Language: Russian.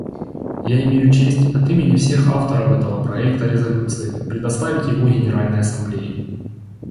Я имею честь от имени всех авторов этого проекта резолюции представить его Генеральной Ассамблее.